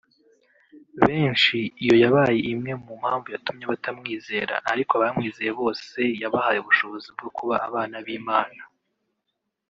benshi iyo yabaye imwe mu mpamvu yatumye batamwizera ariko abamwizeye bose yabahaye ubushobozi bwo kuba abana b'Imana